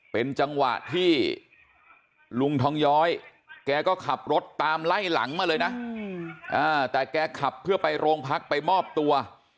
เป็นจังหวะที่ลุงทองย้อยแกก็ขับรถตามไล่หลังมาเลยนะแต่แกขับเพื่อไปโรงพักไปมอบตัว